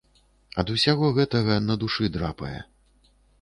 Ад усяго гэтага на душы драпае.